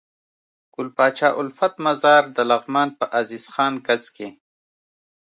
ګل پاچا الفت مزار دلغمان په عزيز خان کځ کي